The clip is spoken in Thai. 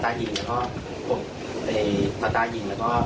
จิรัติ